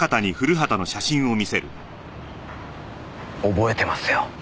覚えてますよ。